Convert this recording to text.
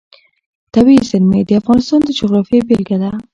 طبیعي زیرمې د افغانستان د جغرافیې بېلګه ده.